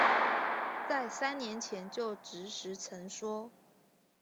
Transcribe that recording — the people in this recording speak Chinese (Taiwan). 在三年前就職時曾說